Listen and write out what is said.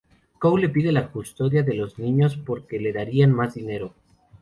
Cole le pide la custodia de los niños porque le darían más dinero.